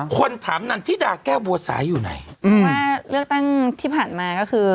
คนถามนันทิดาแก้วบัวสายอยู่ไหนอืมว่าเลือกตั้งที่ผ่านมาก็คือ